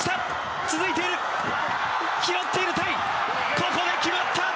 ここで決まった！